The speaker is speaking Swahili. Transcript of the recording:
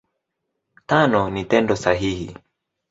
Tano ni Tendo sahihi.